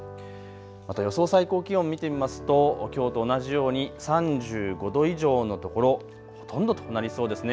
また予想最高気温、見てみますときょうと同じように３５度以上の所、ほとんどとなりそうですね。